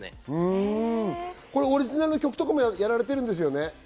オリジナルの曲もやられてるんですよね？